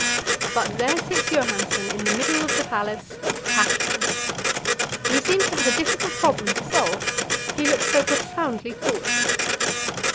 But there sits Johansen in the middle of the Palace, packing. He seems to have a difficult problem to solve; he looks so profoundly thoughtful.